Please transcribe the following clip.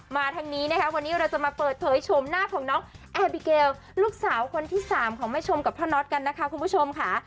มาทางนี้นะคะวันนี้เราจะมาเปิดเผยชมหน้าของน้องแอร์บิเกลลูกสาวคนที่สามของแม่ชมกับพ่อน็อตกันนะคะคุณผู้ชมค่ะ